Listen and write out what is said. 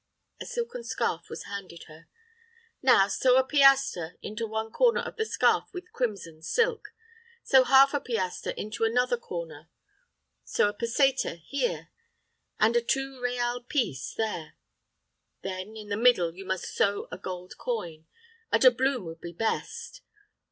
A silken scarf was handed her. "Now sew a piastre into one corner of the scarf with crimson silk sew half a piastre into another corner sew a peseta here and a two real piece there; then, in the middle you must sew a gold coin a doubloon would be best."